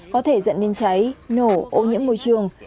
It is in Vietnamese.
có thể dẫn đến cháy nổ ô nhiễm môi trường